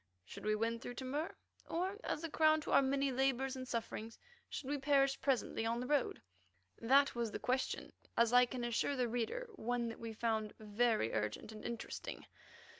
Should we win through to Mur? Or, as a crown to our many labours and sufferings, should we perish presently on the road? That was the question; as I can assure the reader, one that we found very urgent and interesting.